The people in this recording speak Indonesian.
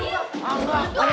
ian balik sini